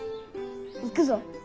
行くぞ。